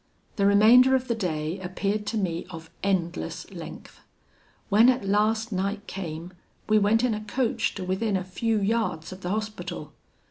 "The remainder of the day appeared to me of endless length. When at last night came, we went in a coach to within a few yards of the Hospital.